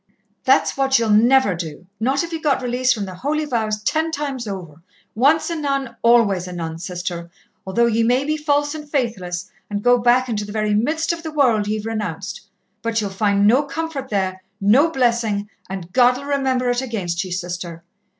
"That's what you'll never do, not if ye got release from the holy vows ten times over. Once a nun always a nun, Sister, although ye may be false and faithless and go back into the very midst of the world ye've renounced. But ye'll find no comfort there, no blessing, and God'll remember it against ye, Sister.